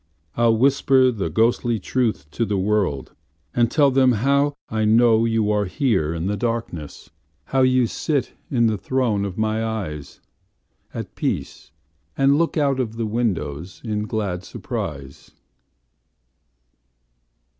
I'll whisper the ghostly truth to the worldAnd tell them howI know you here in the darkness, How you sit in the throne of my eyesAt peace, and look out of the windowsIn glad surprise.